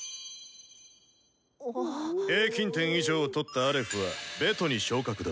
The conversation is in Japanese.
平均点以上を取った「１」は「２」に昇格だ。